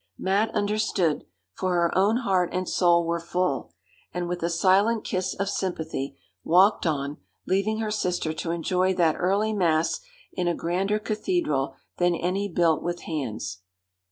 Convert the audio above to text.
Mat understood; for her own heart and soul were full, and with a silent kiss of sympathy, walked on, leaving her sister to enjoy that early mass in a grander cathedral than any built with hands.